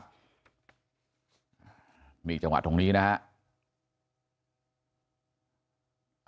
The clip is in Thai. มีอีกจังหวัดตรงนี้นะครับ